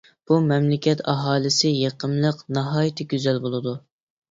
بۇ مەملىكەت ئاھالىسى يېقىملىق، ناھايىتى گۈزەل بولىدۇ.